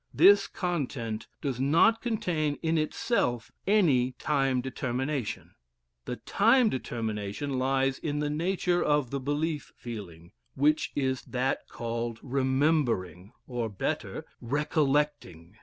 This content does not contain in itself any time determination. The time determination lies in the nature of the belief feeling, which is that called "remembering" or (better) "recollecting."